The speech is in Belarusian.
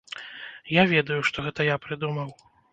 Я ведаю, што гэта я прыдумаў.